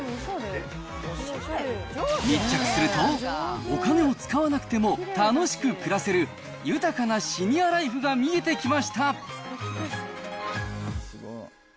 密着すると、お金を使わなくても楽しく暮らせる、豊かなシニアライフが見えてきました。